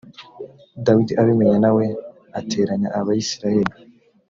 dawidi abimenye na we ateranya abisirayeli